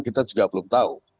kita juga belum tahu